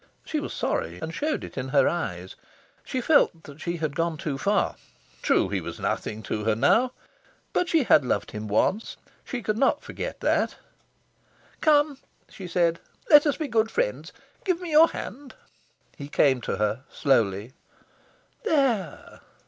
She was sorry, and showed it in her eyes. She felt she had gone too far. True, he was nothing to her now. But she had loved him once. She could not forget that. "Come!" she said. "Let us be good friends. Give me your hand!" He came to her, slowly. "There!"